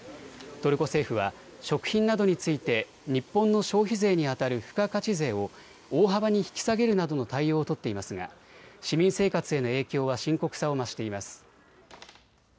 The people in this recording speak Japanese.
トルコ政府は食品などについて日本の消費税にあたる付加価値税を大幅に引き下げるなどの対応を取っていますが市民生活への影響は深刻さを増しています。